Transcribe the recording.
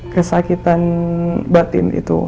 kesakitan batin itu